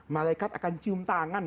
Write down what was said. malaikat akan cium tangan